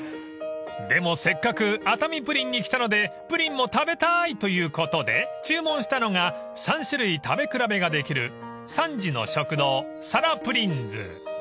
［でもせっかく熱海プリンに来たのでプリンも食べたいということで注文したのが３種類食べ比べができる３時の食堂皿プリン’ｓ］